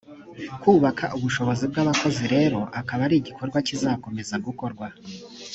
kubaka ubushobozi bw abakozi rero akaba ari igikorwa kizakomeza gukorwa